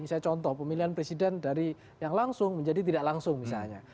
misalnya contoh pemilihan presiden dari yang langsung menjadi tidak langsung misalnya